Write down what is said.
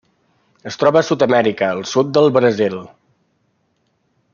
Es troba a Sud-amèrica: el sud del Brasil.